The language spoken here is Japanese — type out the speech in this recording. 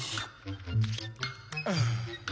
ああ。